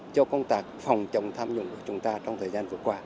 cho công tác phòng chống tham nhũng của chúng ta trong thời gian vừa qua